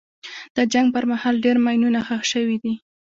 د جنګ پر مهال ډېر ماینونه ښخ شوي دي.